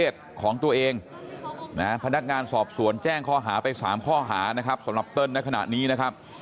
รายการสอบส่วนแจ้งข้อหาไปสามข้อหานะครับสำหรับไปขณะนี้นะครับ